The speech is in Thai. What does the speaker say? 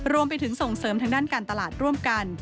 รวมไปถึงส่งเสริมทางด้านการตลาดร่วมกัน